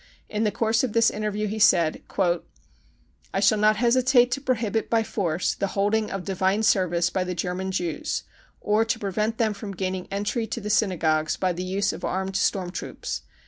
In the course of this inter view he said :" I shall not hesitate to prohibit by force the holding of divine service by the German Jews, or to prevent them from gaining entry to the synagogues by the use of armed storm troops.